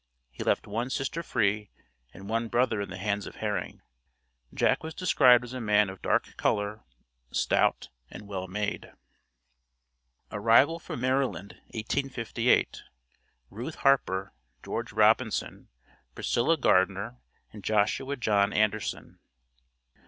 He left one sister free and one brother in the hands of Herring. Jack was described as a man of dark color, stout, and well made. ARRIVAL FROM MARYLAND, 1858. RUTH HARPER, GEORGE ROBINSON, PRISCILLA GARDENER, AND JOSHUA JOHN ANDERSON.